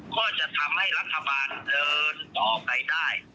ก็จะทำให้รัฐบาลเดินต่อไปได้